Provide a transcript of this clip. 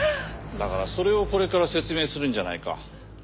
だからそれをこれから説明するんじゃないか。